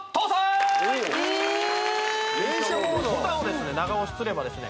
ボタンをですね長押しすればですね